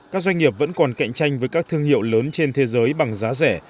các doanh nghiệp vẫn còn cạnh tranh với các thương hiệu lớn trên thế giới bằng giá rẻ